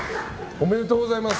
おめでとうございます。